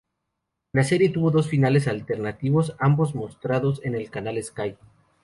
La serie tuvo dos finales alternativos ambos mostrados en el canal Sky.